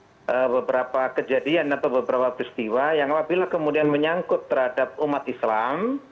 ada beberapa kejadian atau beberapa peristiwa yang apabila kemudian menyangkut terhadap umat islam